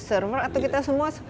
server atau kita semua